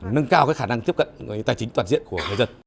nâng cao khả năng tiếp cận tài chính toàn diện của người dân